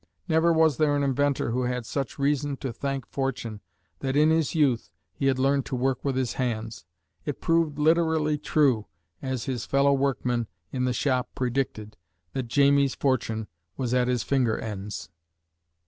Never was there an inventor who had such reason to thank fortune that in his youth he had learned to work with his hands. It proved literally true, as his fellow workmen in the shop predicted, that "Jamie's fortune was at his finger ends."